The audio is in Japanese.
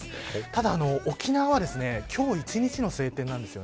ただ沖縄は今日一日の晴天なんです。